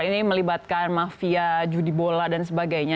ini melibatkan mafia judi bola dan sebagainya